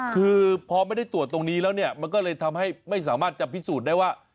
คือพอไม่ได้ตรวจตรงนี้แล้วเนี่ยมันก็เลยทำให้ไม่สามารถจะพิสูจน์ได้ว่า